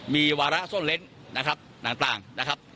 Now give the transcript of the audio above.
มีวาระซ่อนเล้นนะครับต่างนะครับ